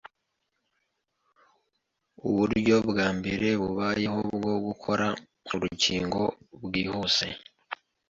uburyo bwambere bubayeho bwo gukora urukingo bwihuse